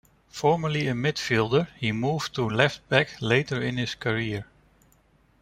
Formerly a midfielder, he moved to left back later in his career.